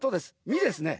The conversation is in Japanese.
ミですね。